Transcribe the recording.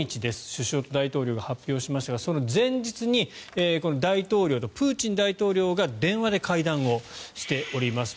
首相と大統領が発表しましたがその前日に大統領とプーチン大統領が電話で会談をしております。